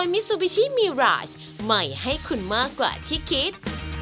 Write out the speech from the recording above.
มันก็เลยเป็นที่มาของการทำน้ำซุปก็ไม่เหม็นมะเขือเทศ